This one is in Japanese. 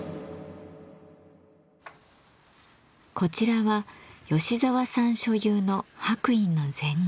こちらは芳澤さん所有の白隠の禅画。